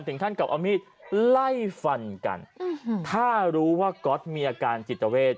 ท่านกลับเอามีดไล่ฟันกันถ้ารู้ว่าก๊อตมีอาการจิตเวท